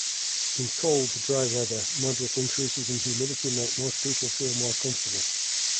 In cold, dry weather, moderate increases in humidity make most people feel more comfortable.